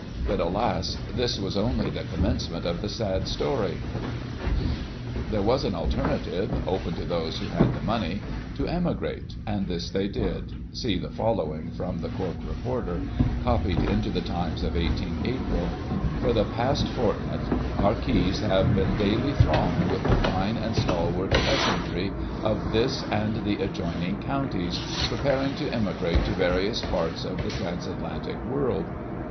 But, alas! this was only the commencement of the sad story. There was an alternative, open to those who had the money — to emigrate — and this they did — see the following, from the Cork Reporter, copied into the Times of 1 8 April :" For the last fortnight our quays have been daily thronged with the fine and stalwart peasantry of this and the adjoining counties, preparing to emigrate to various parts of the trans Atlantic world.